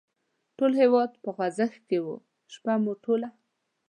ټول هېواد په خوځښت کې و، شپه مو ټوله.